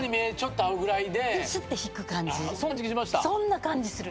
そんな感じする。